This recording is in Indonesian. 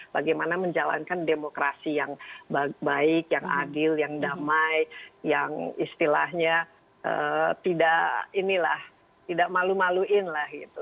bagaimana menjalankan demokrasi yang baik yang adil yang damai yang istilahnya tidak inilah tidak malu maluin lah gitu